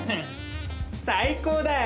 最高だよ！